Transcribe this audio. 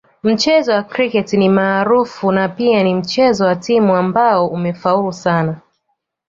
Mchezo wa kriketi ni maarufu na pia ni mchezo wa timu ambao umefaulu sana